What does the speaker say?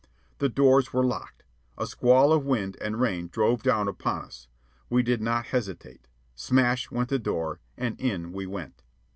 The doors were locked. A squall of wind and rain drove down upon us. We did not hesitate. Smash went the door, and in we went.